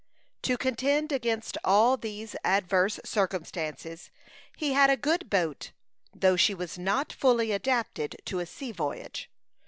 To contend against all these adverse circumstances, he had a good boat, though she was not fully adapted to a sea voyage.